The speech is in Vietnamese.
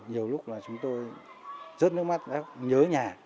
nhiều lúc là chúng tôi rớt nước mắt nhớ nhà